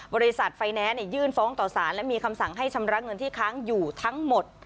บริษัทไฟแนนซ์ยื่นฟ้องต่อสารและมีคำสั่งให้ชำระเงินที่ค้างอยู่ทั้งหมด